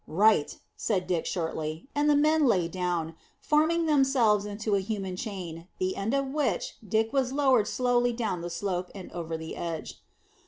"Right," said Dick shortly; and the men lay down, forming themselves into a human chain, the end of which Dick was lowered slowly down the slope and over the edge.